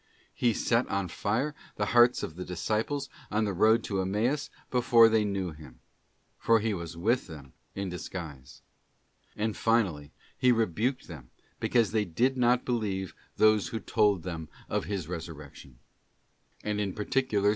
|| He set on fire the hearts of the disciples on the road to Emmaus before they knew Him; for He was with them in disguise. And finally, He rebuked them because they did not believe those who told them of His resurrection ;{ and in par ticular, S.